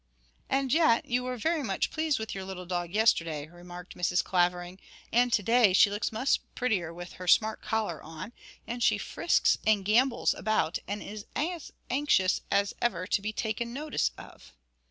'And yet you were very much pleased with your little dog yesterday,' remarked Mrs. Clavering, 'and to day she looks much prettier with her smart collar on, and she frisks and gambols about, and is as anxious as ever to be taken notice of.'